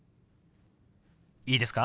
いいですか？